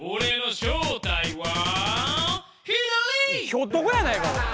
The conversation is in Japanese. ひょっとこやないかおい。